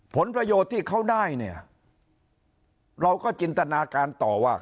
ผลประโยชน์ที่เขาได้เนี่ยเราก็จินตนาการต่อว่า